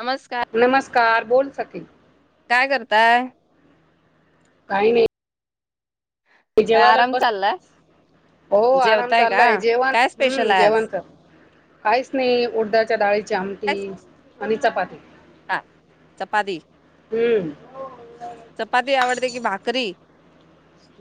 नमस्कार नमस्कार, बोल सखी. काय करताय? काही नाही. काय जेवायलाच आराम बस्, चाललाय हो आराम जेवताय का चाललाय जेवण काय स्पेशल हम्म आहे आज जेवणचं. काहीच नई, उड्डयाच्या डाळी च् काय आमटी आणि चपाती, हा चपाती हम्म. हो चपाती आवडते की भाकरी?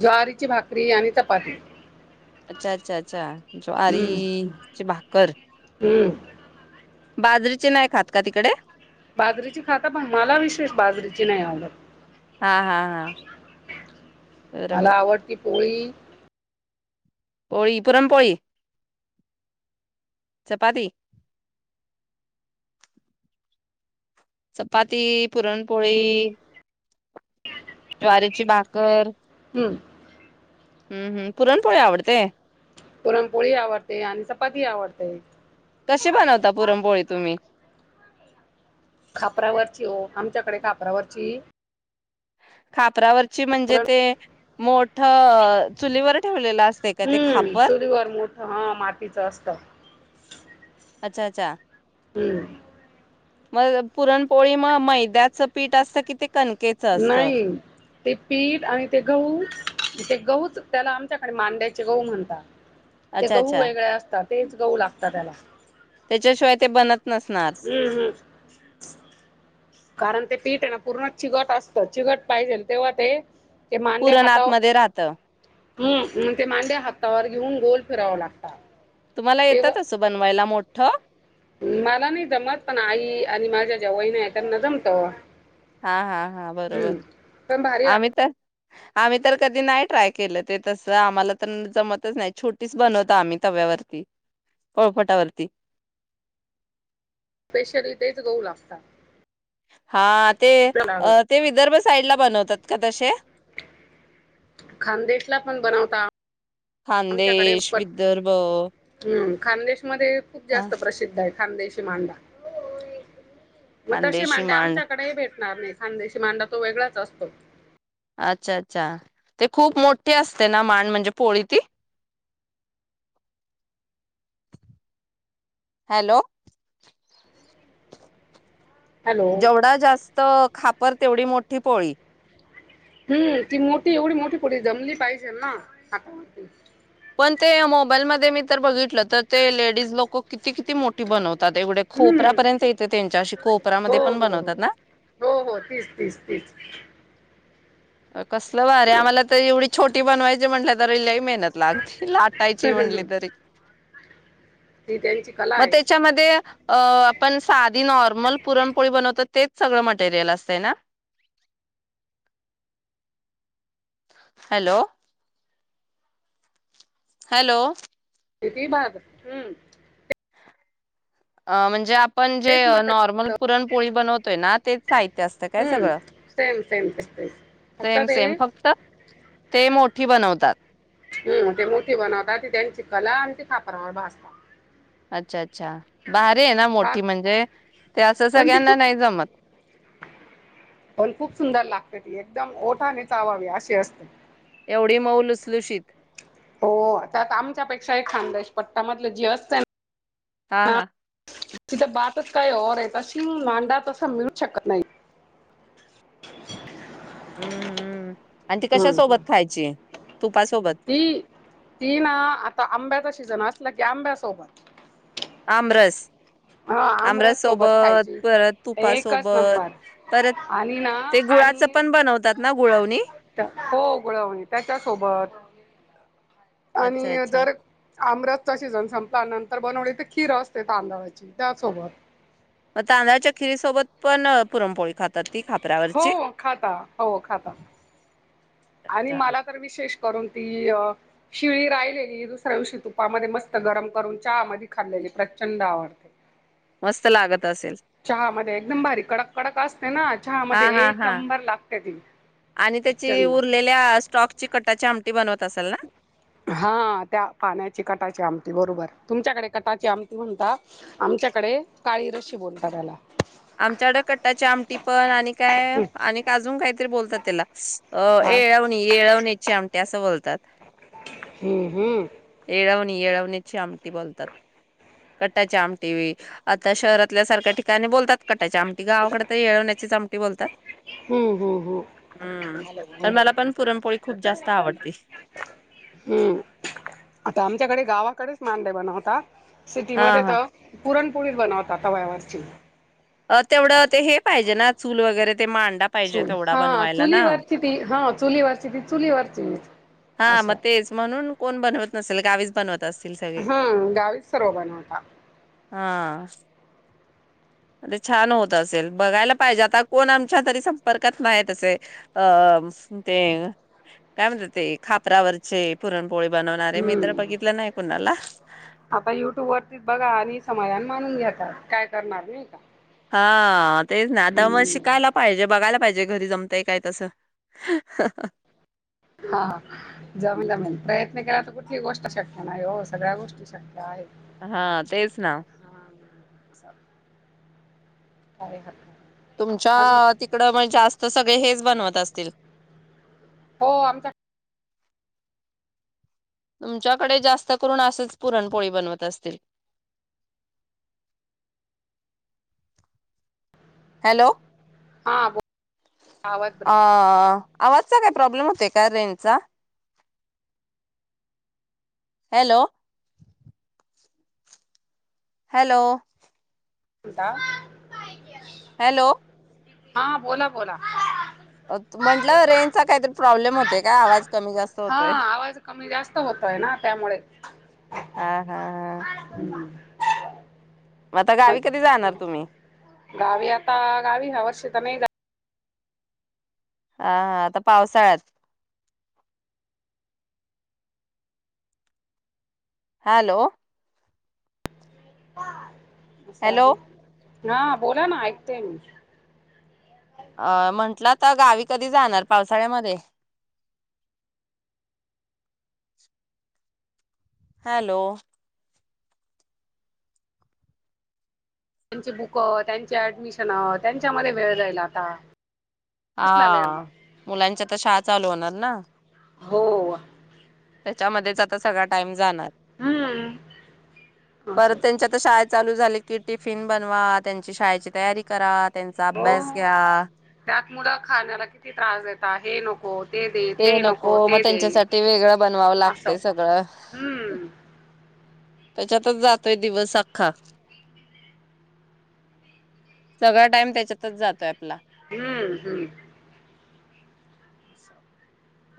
ज्वारीची भाकरी आणि चपाती. अच्छा-अच्छा-अच्छा. हम्म ज्वारीचे भाकर. हम्म बाजरीचे नाही खात का तिकडे. बाजरीची खाता पण मला विशेष बाजरीेची नाही आवडत. हा हा हा मला बरोबर आवडती पोळी पोळी, पुरन पोळी, चपााती. चपाती, पुरणपोळी, ज्वारीची भाकर. हम् हम्-हम् पुरणपोळी आवडते. पुरणपोळी आवडते आणि चपाती आवडते. कसे बनवता पुरणपोळी तुम्ही? खापरावरची ओ, आमच्याकडे खापरावरची खापरावर ची म्हणजे पुरण ते मोट अ चुलीवर ठेवलेला अस् हम्म, चुलीवर मोठं हं मातीचं असत. अचा-अचा हम्म मग पुरणपोळी म मैद्याचं पीठ असतं कि ते कण केच असतं. नाही ते पीठ आणि ते गहू, ते गहूच त्याला आमच्याकडे मांड्याचे गहू म्हणता. ते अच्छा गहू अच्छा वेगळे असतात. तेच गहू लागता त्याला. तेच्याशिवाय ते बनत नसणार हम्-हम् कारण ते पीठ हे ना पूर्ण चिगट असतं, चिगट पाहिजेल तेव्हा ते पुरण आतमध्ये राहतं. हम् अम् ते मांड्या हातावर घेऊन गोल फिराव लागता. तुम्हाला येतात असं बनवायला मोठ ठं मला नाही जमत, पण आई आणि माझ्या ज्या वहिन आहेत त्यांना जमत ओ वा. हा हा हा बरोबर पण भारी आम्ही लागत तर आम्ही तर कधी नाही ट्राय केलं ते तस आम्हाला तर जमतच नाही छोटीच बनवत आम्ही तव्यावरती पोळपाटावरती. स्पेशली तेच गहु लागता. हा ते अ ते विदर्भ साईड ला बनवतात का तशे. खानदेशला पण बनवता आमच्याकडेम खानदेश विदर्भ हम्म खानदेश मध्ये खूप हा जास्त प्रसिद्ध आहे. खानदेशी मांडा. म तशी खानदेशी मांड्या मांड आमच्याकडे ही भेट. णारी खांदेशी मांडा तो वेगळाच असतो. अच्छा अच्छा ते खूप मोठे असते ना माांड म्हणजे पोळी ती हॅलो. हॅलो. जेवढा जास्त खाप पर तेवढी मोठी पोळी. हम्म ती मोठी एवढी मोठी पुडी जमली पाहिजे ना हात. पण ते मोबाईल मध्ये मी तर बघितल त. तर ते लेडीज लोक किती किती मोठी बनवतात एवढे खोपरा हं. पर्यंत येते त्यांच्या अशी हो, खोपरामध्ये पण हो, हो. बनवतात ना हो, हो. तीच, तीच, तीच. कसल भारी आम्हाला तर एवढी छोटी बनवायची म्हंटलं तर लई मे. मत लात लाटायची म्हटली तरी. ती त्यांची कला म आहे. त्याच्यामध्ये. अ आपण साधी नॉर्मल पुरणपोळी बनवत तेच सगळं मटेरियल असते ना. हॅलो! हॅलो! किती बाग हम्म. अ म्हणजे आप. पण जे तेच अ मटर नॉर्मल पुरणपोळी बनवतोय ना तेच साहित्य असत काय हं. सगळं सेम, सेम. तेच, तेच. फक्त सेम ते सेम फक्त ते मोठी बनवतात. हम्म ते मोठी बनवताात ती त्यांची कला आणि ते खापरावर भाजता. अच्छा अच्छा बारी आहे ना फार मोठी म्हणजे ते असं पण ती सगळ्यांना खूप नाही जमत. पण खूप सुंदर लागते ती एकदम ओठाने चावावी अशी असते. एवढी मऊ लुसलुशीत हो त्याता आमच्यापेक्षा एक खानदेश. पट्टामधलं जी असते ना. हा हा. तिथ बातच काय ओर आहे तशी मांडा तस मिळू शकत नाही. हम्म हम्म! आणि ती कशा हम्म सोबत खायची. तुपासोबत ती ती ना आता आंब्याचा सीजन अस म्हटल की आंब्यासोबत आमरस हा आमरस सोबत खायची परत एकच तुपासोबत नंबर परत आणि ना ते गुळाचं आणि पण बनवतात ना गुळवणी हो गुळवणी त्याच्या सोबत अच्छा आणि अच्छा जर आम्रसचा सीझन संपला, नंतर बनवली तर खीरं असते तांदळा- ची त्यासोबत. मग तांदळाच्या खिरीसोबत पण पुरणपोळी खातात, ती हो खापरावरची खाता. हो खाता. आणि अच्छा. मला तर विशेष करून ती शिळी राहिलेली दुसऱ्या दिवशी तुपामध्ये मस्त गरम करून चहा मदी खाल्लेली प्रचंड आवडते. मस्त लाग- चहा मदी एकदम भारी कडक कडक असते ना. चहा हा मध्ये हा एक हा नंबर लागते ती आणि त्याची प्रचंड. तसल ना. हा त्या पाण्याची कटाची आमटी बरोबर तुमच्याकडे कटाची आमटी म्हणतात, आमच्याकडे काळी रशी बोलता त्याला. आमच्याकड कट्टाची आमटी पण आणि काय हम्म आणि अजून काहीतरी बोलतात- तेला. अ काय येळवणी येळवण्या- ची आमटी असं बोलतात. हम्म हम्म णी येळवण्याची आमटी बोलतात. कटाची आमटी, आता शहरातल्या सारख्या ठिकाणी बोलतात कटाची आमटी, गावाकडे तर येवण्याचीच आम ते बोलतात. हम्म हम्म हम्म हम्म तर मला पण पुरणपोळी खूप जास्त आवडते हम्म, आता आमच्याकडे गावाकडे [unintelligible] बनवतात. हा सिटीमध्ये हा तर पुरणपोळीच बनवतात तव्यावर. [unintelligible] अ तेवढं ते हे पाहिजे ना, चूल वगैरे. ते मांडा पाहिजे चुल तेवढा हा बनवायला चुली ना वरची ती हा. चुलीवरची ती चुलीवरचीच. हा मग तेच म्हणून. कोण बनवत नसेल. गावीच बनवत असतील सगळे हम गावीच सर्व बनवता. हा. अरे छान होत असेल. बघायला पाहिजे, आता कोण आमच्या तरी संपर्कात नाही तसे अ ते काय म्हणतात ते खापरावरचे पुरण पोळी बनवणारे, मी तर हम्म. बघितलं नाही कुणाला. आता युट्यूब वरतीच बघा आणि समाधान मानून घ्या आता, काय करणार नाही का. हा तेच ना आता म हम्म. शिकायला पाहिजे बघायला पाहिजे. ते घरी जमतय काय तसं. हा जमेल जमेल. प्रयत्न केला तर कुठली गोष्ट अशक्य नाही हो, सगळ्या गोष्टी शक्य आहेत. हा तेच ना. हा काय? नाही तुमच्या अजून तिकड मग जास्त [unintelligible] सगळे हेच बनवत असतील. हो आमचा तुमच्याकडे जास्त करून असच पुरणपोळी बनवत असतील. हॅलो. हा आवाज आ ब्रेक आवाज [unintelligible] प्रॉब्लेम होते का रेंज चा. हॅलो. हॅलो. [unintelligible] हॅलो. हा बोला बोला. म्हंटलं रेंजचा काहीतरी प्रॉब्लेम होतय का आवाज कमी जास्त हा होतोय. आवाज कमी जास्त होतोय ना त्यामुळे हा हा हा. मग आता गावी कधी जाणार तुम्ही गावी आता गावी हा वर्ष तर नाही जा हा हा आता पावसाळ्यात. हॅलो. हॅलो [unintelligible] हा बोला ना ऐकतेय मी. अ म्हंटलं तर गावी कधी जाणार पावसाळ्यामध्ये? हॅलो त्यांची बुक, त्यांची ऍडमिशन, त्यांच्यामध्ये वेळ जाईल आता. कसला वेळ हा मुलांच्या तर शाळा चालू होणार ना. हो त्याच्यामध्येच आता सगळा टाइम जाणार, हम्म परत असं त्यांच्या आता शाळा चालू झाले की टिफिन बनवा, त्यांची शाळेची तयारी करा. त्यांचा हो अभ्यास घ्या. त्यात मुलं खाताना किती त्रास देतात, हे नको ते नको मग त्यांच्यासाठी वेगळं बनवावं लागतय असं सगळं. हम्म त्याच्यातच जातोय दिवस अख्खा सगळा टाईम त्याच्यातच जातोय आपला. हम्म हम्म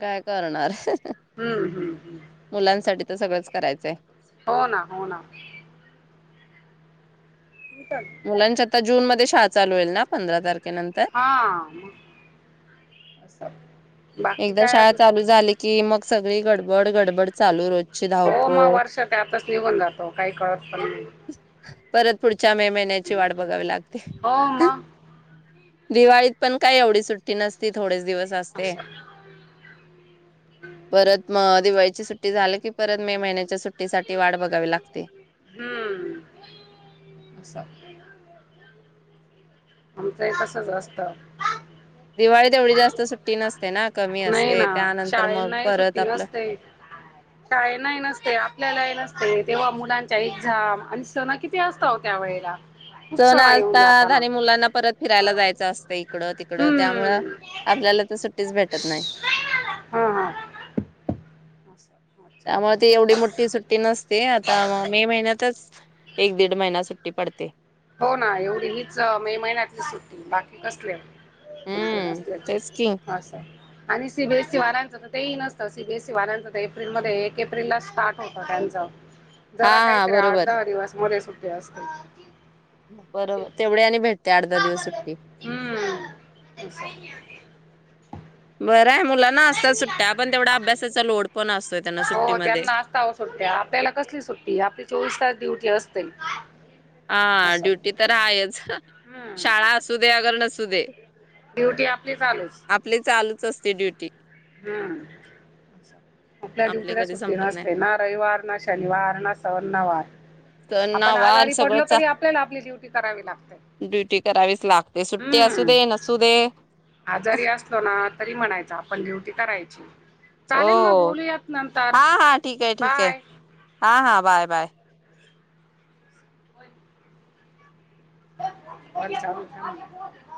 काय करणार. हम्म हम्म हम् मुलांसाठी तर सगळंच करायचंय. हो ना हो ना. मुलांच्या आता जूनमध्ये शाळा चालू होईल ना पंधरा तारखे हा बाकी एकदा काय शाळा अजून चालू झाली की मग? सगळी कड गडबड गडबड चालू रोजची हो मग धावपळ वर्ष त्यातच निघून जातो काही कळत [inaudible] परत पुढ- च्या मे महिन्याची वाट बघावी लागते. हो मग दिवाळीत पण काय एवढी सुट्टी नसती थोडेच? दिवस असते असं परत म दिवाळी- ची सुट्टी झाली की, परत मे महिन्याच्या सुट्टी साठी वाढ बघावी लागते. हम्म आमचं ही तसच असतं. दिवाळी तेवढी जास्त सुट्टी नस- नाही ना शाळेंना ही परत सुट्टी आपलं नसते शाळांनाही नसते, आपल्यालाही नसते. ते तेव्हा मुलांच्या एक्झाम आणि सणं किती असत ओ त्या वेळेला. खूप सण येऊन आता जाताना झाले मुलांना परत फिरायला जायचं असत इकडं ती कडं त्यामुंळ हम्म आपल्याला तर सुट्टीच भेटत नाही. हा हा अच्छा अच्छा त्यामुळ ती एवढी मोठ्ठी सुट्टी नसते, आता मे महिन्यातच एक दीड महिना सुट्टी पडते. हो ना एवढी हीच मे महिन्यातली सुट्टी, बाकी कसली. हम्म तेच की [unintelligible] आस आणि सीबीएससी वाल्यांचं तर तेही नसतं सीबीएसी वाल्यांचं एप्रिलमध्ये एक एप्रिलला स्टार्ट होतं त्यांच. हा जरा हा काहीतरी आठ बरोबर दहा दिवस मध्ये सु ठी असते. बरोबर तेवढे आणि भेटते आड धा दिवस सुट्टी. हम्म. बर लोड पण असतोय त्यांना हो सुट्टीमध्ये त्यांना असता ओ सुट्टया आपल्याला कसली सुट्टी आपली चोवीस तास ड्युटी अस ते. हा ड्युटी तर आहेच. हम्म शाळा असू दे, अगर नसू दे. ड्युटी आपली चालूच. च असते ड्युटी. हम्म. आपल्या आपली ड्युटीला कधी सुट्टी संपत नाही नसते ना. रविवार ना शनिवार ना सण ना वार. सण आपण वार आजारी पडलो सगळंच तरी आपल्याला आपली ड्युटी करावी लागते. ड्युटी करावीच लागते सुट्टी असू हम् दे नसू दे आजारी असलो ना तरी म्हणायचा आपण ड्युटी कराय ची. हो-हो. हां-हां ठीक हे ठीक हे, बाय. हां-हां बाय. बाय. [unintelligible]